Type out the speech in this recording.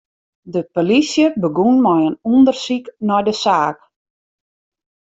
De polysje begûn mei in ûndersyk nei de saak.